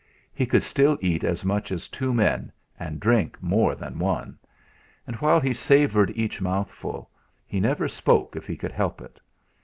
He could still eat as much as two men, and drink more than one. And while he savoured each mouthful he never spoke if he could help it.